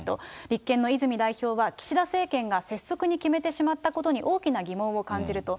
立憲の泉代表は、岸田政権が拙速に決めてしまったことに大きな疑問を感じると。